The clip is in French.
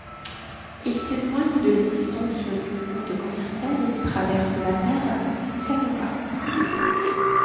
Ils témoignent de l'existence d'une route commerciale qui traverse la Terre Sanocka.